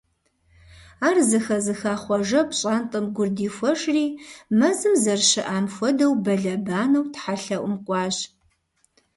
Ар зэхэзыха Хъуэжэ пщӀантӀэм гур дихуэжри, мэзым зэрыщыӀам хуэдэу, бэлэбанэу тхьэлъэӀум кӀуащ.